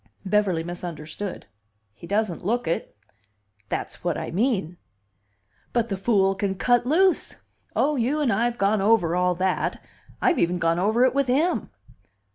Beverly misunderstood. "He doesn't look it." "That's what I mean." "But the fool can cut loose!" "Oh, you and I have gone over all that! I've even gone over it with him."